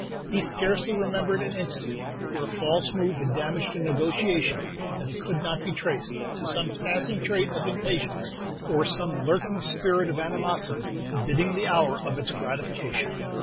He scarcely remembered an instant where a false move had damaged a negotiation that it could not be traced to some passing trait of impatience, or some lurking spirit of animosity biding the hour of its gratification.